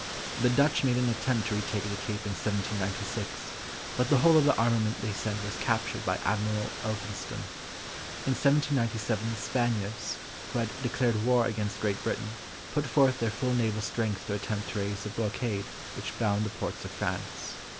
The Dutch made an attempt to retake the Cape in 1796, but the whole of the armament they sent was captured by Admiral Elphinstone. In 1797 the Spaniards, who had declared war against Great Britain, put forth their full naval strength to attempt to raise the blockade which bound the ports of France.